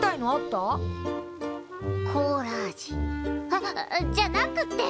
はっじゃなくて！